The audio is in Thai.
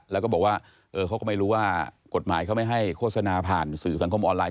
แล้วก็บอกว่าเขาก็ไม่รู้ว่ากฎหมายเขาไม่ให้โฆษณาผ่านสื่อสังคมออนไลน